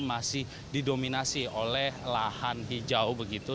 masih didominasi oleh lahan hijau begitu